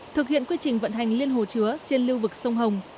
thực hiện quy trình vận hành liên hồ chứa trên lưu vực sông hồng